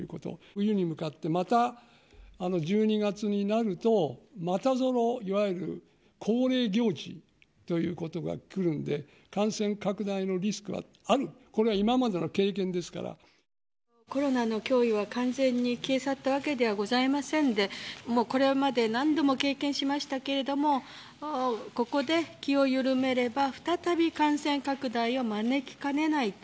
冬に向かってまた、１２月になると、またぞろ、いわゆる恒例行事ということがくるんで、感染拡大のリスクはある、コロナの脅威は完全に消え去ったわけではございませんで、もうこれまで何度も経験しましたけれども、ここで気を緩めれば再び感染拡大を招きかねないと。